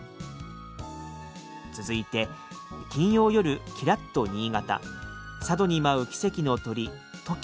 続いて金よう夜きらっと新潟「佐渡に舞う奇跡の鳥トキ